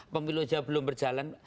pemilu aja belum berjalan